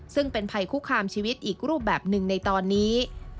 ซึ่งเป็นภัยคุกคามชีวิตอีกรูปแบบหนึ่งในตอนนี้